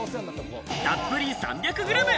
たっぷり３００ｇ。